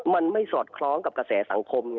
มันไม่สอดคล้องกับกระแสสังคม